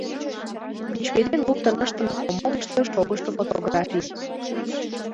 Пӱчкеден луктын ыштыме комодышто шогышо фотографий.